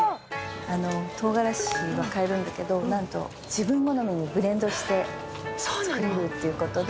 唐辛子が買えるんだけどなんと自分好みにブレンドして作れるっていう事で。